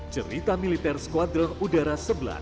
cerita militer skuadron udara sebelas